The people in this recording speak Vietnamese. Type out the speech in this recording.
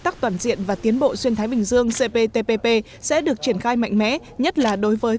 tác toàn diện và tiến bộ xuyên thái bình dương cptpp sẽ được triển khai mạnh mẽ nhất là đối với